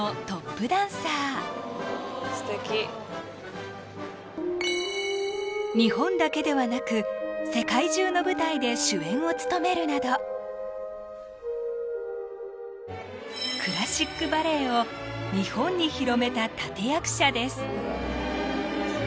すてき日本だけではなく世界中の舞台で主演を務めるなどクラシックバレエを日本に広めた立役者です